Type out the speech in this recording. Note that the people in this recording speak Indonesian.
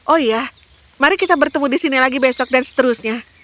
oh iya mari kita bertemu di sini lagi besok dan seterusnya